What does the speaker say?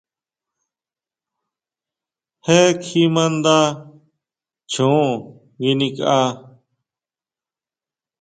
Je kjima nda chon nguinikʼa.